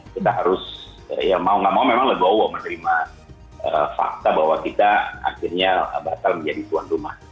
kita harus ya mau gak mau memang legowo menerima fakta bahwa kita akhirnya batal menjadi tuan rumah